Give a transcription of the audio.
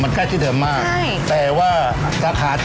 มันใกล้ที่เดิมมากใช่